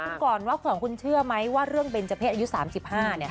ถามคุณก่อนว่าสองคุณเชื่อมั้ยว่าเรื่องเพลสอายุสามสิบห้า